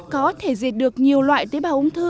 có thể diệt được nhiều loại tế bào ung thư